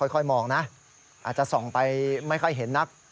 ค่อยมองนะอาจจะส่องไปไม่ค่อยเห็นนัก